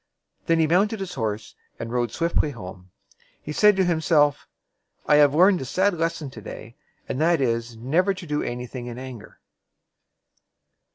Then he mounted his horse and rode swiftly home. He said to himself, "I have learned a sad lesson to day; and that is, never to do any thing in anger."